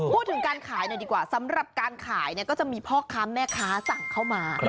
พูดถึงการขายหน่อยดีกว่าสำหรับการขายเนี่ยก็จะมีพ่อค้าแม่ค้าสั่งเข้ามา